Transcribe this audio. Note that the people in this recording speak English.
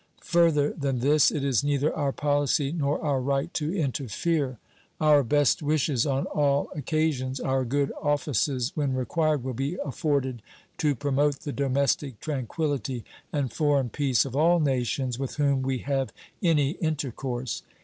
Further than this it is neither our policy nor our right to interfere. Our best wishes on all occasions, our good offices when required, will be afforded to promote the domestic tranquillity and foreign peace of all nations with whom we have any intercourse.